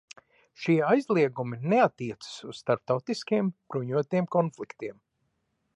Šie aizliegumi neattiecas uz starptautiskiem bruņotiem konfliktiem.